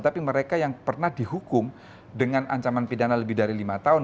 tapi mereka yang pernah dihukum dengan ancaman pidana lebih dari lima tahun